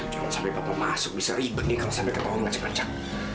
jangan sampai bapak masuk bisa ribet nih kalau sampai ketawa ngajak ngajak